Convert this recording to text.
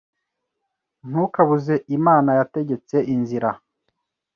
Ntukabuze Imana yategetse inzira